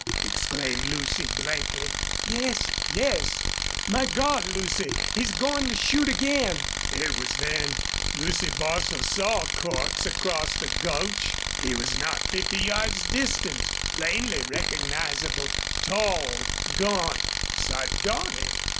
exclaimed Lucy, blankly. "Yes Yes.... My God! Lucy, he's goin' to shoot again!" It was then Lucy Bostil saw Cordts across the gulch. He was not fifty yards distant, plainly recognizable, tall, gaunt, sardonic.